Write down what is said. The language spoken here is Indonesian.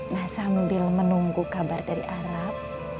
nah sambil menunggu kabar dari arab